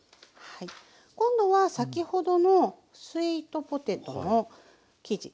今度は先ほどのスイートポテトの生地。